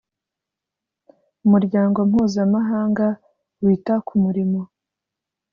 umuryango mpuzamahanga wita ku murimo.